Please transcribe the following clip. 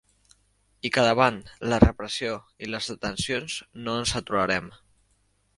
I que davant la repressió i les detencions no ens aturarem.